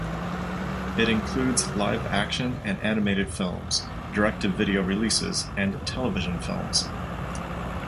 It includes live action and animated films, direct-to-video releases, and television films.